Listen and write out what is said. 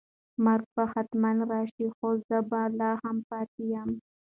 مرګ به حتماً راشي خو زه به لا هم پاتې یم.